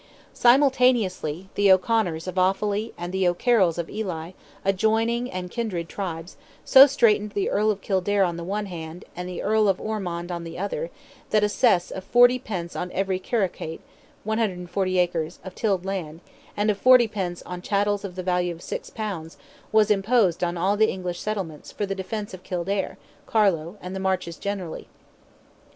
Simultaneously, the O'Conors of Offally, and the O'Carrolls of Ely, adjoining and kindred tribes, so straightened the Earl of Kildare on the one hand, and the Earl of Ormond on the other, that a cess of 40 pence on every carucate (140 acres) of tilled land, and of 40 pence on chattels of the value of six pounds, was imposed on all the English settlements, for the defence of Kildare, Carlow, and the marches generally.